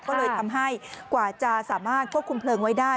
ก็เลยทำให้กว่าจะสามารถควบคุมเพลิงไว้ได้